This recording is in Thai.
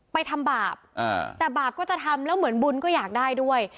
ไปทำบาปแต่บาปก็จะทำแล้วเหมือนบุญก็อยากได้ด้วย